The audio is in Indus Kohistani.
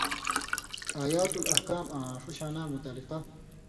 آیات الاحکام آں ݜُو شاناں متعلقہ